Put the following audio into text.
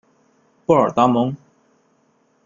布尔达蒙。